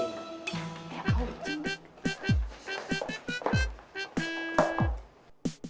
ya mau cing